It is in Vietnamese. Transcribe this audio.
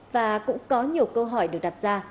và cũng có nhiều câu hỏi được đặt ra